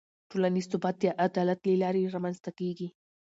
ټولنیز ثبات د عدالت له لارې رامنځته کېږي.